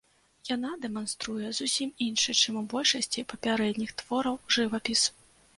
Яна дэманструе зусім іншы, чым у большасці папярэдніх твораў, жывапіс.